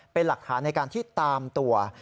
เป็นหลักฐานในการที่ตามตัว